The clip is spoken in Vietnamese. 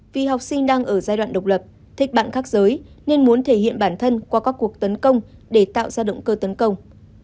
vì học sinh đang ở giai đoạn độc lập thích bạn khác giới nên muốn thể hiện bản thân qua các cuộc tấn công để tạo ra động cơ tấn công